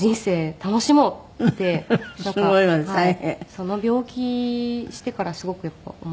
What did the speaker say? その病気してからすごくやっぱり思いましたね。